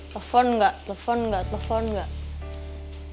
telepon enggak telepon enggak telepon enggak